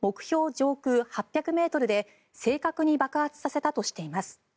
上空８００ｍで正確に爆発させたとしています。